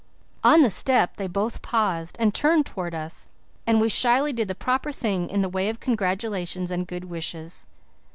On the step they both paused and turned towards us, and we shyly did the proper thing in the way of congratulations and good wishes.